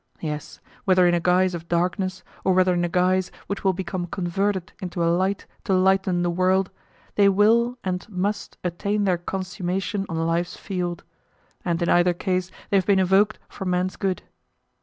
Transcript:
Yes, whether in a guise of darkness, or whether in a guise which will become converted into a light to lighten the world, they will and must attain their consummation on life's field: and in either case they have been evoked for man's good.